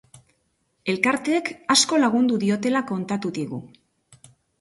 Elkarteek asko lagundu diotela kontatu digu.